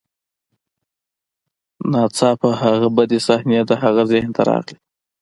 ناڅاپه هغه بدې صحنې د هغه ذهن ته راغلې